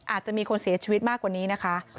อาจจะมีคนเสียชีวิตมากกว่านี้นะคะ